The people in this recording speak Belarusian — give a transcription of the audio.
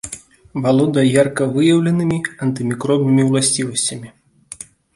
Валодае ярка выяўленымі антымікробнымі ўласцівасцямі.